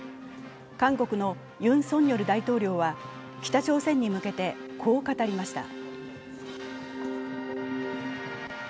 韓国のユン・ソンニョル大統領は北朝鮮に向けて、こう語りました。